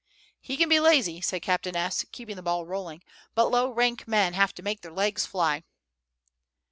"He can be lazy," said Captain S., keeping the ball rolling, "but low rank men have to make their legs fly."